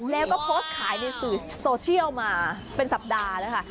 แล้วก็โพสต์ขายในสื่อโซเชียลมาเป็นสัปดาห์แล้วค่ะ